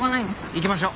行きましょう。